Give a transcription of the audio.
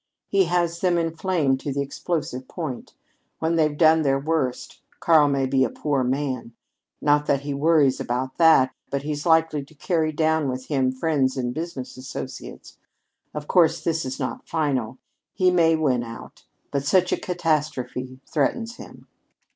He has them inflamed to the explosive point. When they've done their worst, Karl may be a poor man. Not that he worries about that; but he's likely to carry down with him friends and business associates. Of course this is not final. He may win out, but such a catastrophe threatens him.